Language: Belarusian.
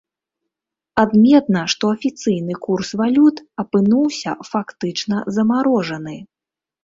Адметна, што афіцыйны курс валют апынуўся фактычна замарожаны.